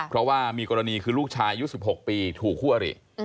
เพราะว่ามีกรณีคือลูกชายยุคสิบหกปีถูกคั่วหรี่